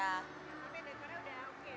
tapi dekornya udah oke